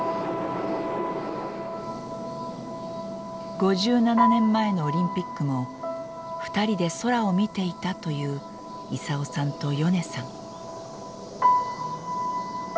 ５７年前のオリンピックも２人で空を見ていたという功さんとヨネさん。